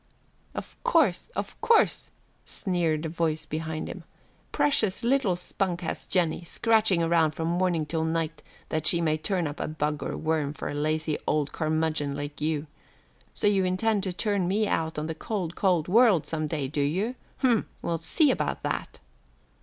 "Of course, of course," sneered a voice behind him. "Precious little spunk has Jennie, scratching around from morning till night that she may turn up a bug or worm for a lazy old curmudgeon like you. So you intend to turn me out on the cold, cold world some day, do you? Hm! we'll see about that."